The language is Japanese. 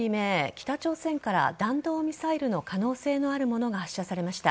北朝鮮から弾道ミサイルの可能性のあるものが発射されました。